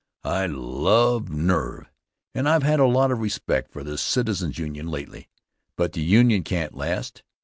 I love nerve, and I've had a sort of respect for the Citizens Union lately, but the Union can't last.